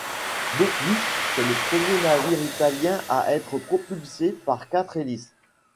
De plus, c'est le premier navire italien à être propulsé par quatre hélices.